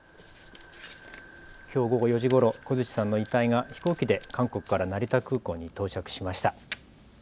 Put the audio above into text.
きょう午後４時ごろ、小槌さんの遺体が飛行機で韓国から成田空港に到着しました。